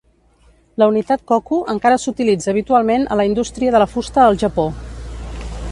La unitat "koku" encara s'utilitza habitualment a la indústria de la fusta al Japó.